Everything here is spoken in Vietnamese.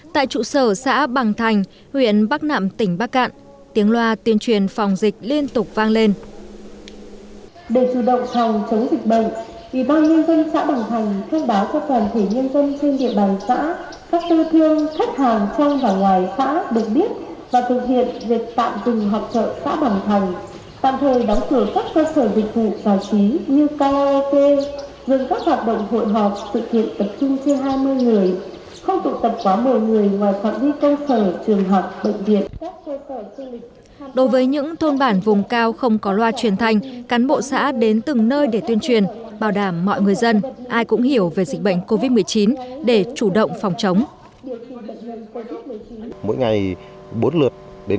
tại trụ sở xã bằng thành huyện bắc nạm tỉnh bắc cạn tiếng loa tuyên truyền phòng dịch liên tục vang lên